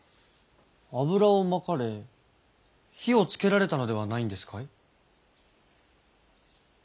油をまかれ火をつけられたのではないんですかい？